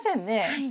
はい。